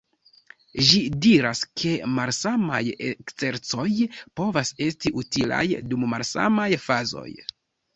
Ĝi diras, ke malsamaj ekzercoj povas esti utilaj dum malsamaj fazoj.